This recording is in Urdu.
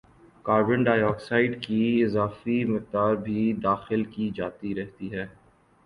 کاربن ڈائی آکسائیڈ کی اضافی مقدار بھی داخل کی جاتی رہتی ہے